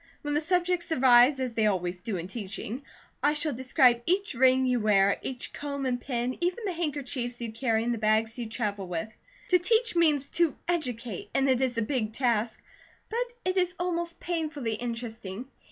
When the subjects arise, as they always do in teaching, I shall describe each ring you wear, each comb and pin, even the handkerchiefs you carry, and the bags you travel with. To teach means to educate, and it is a big task; but it is almost painfully interesting.